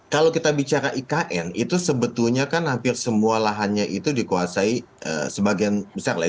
kalau kita bicara ikn itu sebetulnya kan hampir semua lahannya itu dikuasai sebagian besar lah